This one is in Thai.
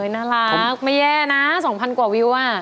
น่ารักไม่แย่นะ๒๐๐กว่าวิว